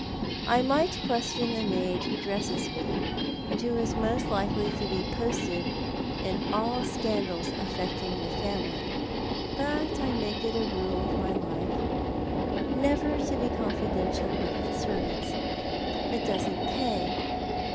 I might question the maid who dresses me, and who is most likely to be posted in all scandals affecting the family, but I make it a rule of my life never to be confidential with servants. It doesn't pay.